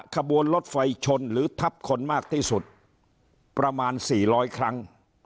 ขบวนรถไฟชนหรือทับคนมากที่สุดประมาณ๔๐๐ครั้ง